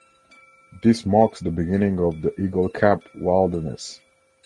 This marks the beginning of the Eagle Cap Wilderness.